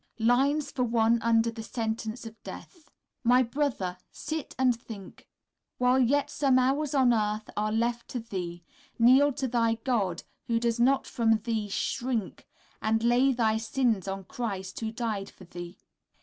LINES FOR ONE UNDER SENTENCE OF DEATH. My brother, Sit and think, While yet some hours on earth are left to thee; Kneel to thy God, who does not from thee shrink, And lay thy sins on Christ, who died for thee.